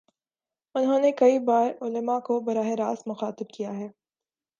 انہوں نے کئی بارعلما کو براہ راست مخاطب کیا ہے۔